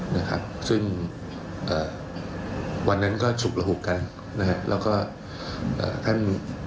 นะครับซึ่งเอ่อวันนั้นก็ฉุกระหุกกันนะฮะแล้วก็เอ่อท่าน